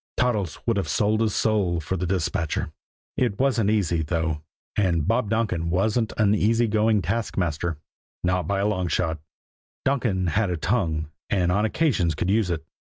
Toddles would have sold his soul for the dispatcher. It wasn't easy, though; and Bob Donkin wasn't an easy going taskmaster, not by long odds. Donkin had a tongue, and on occasions could use it.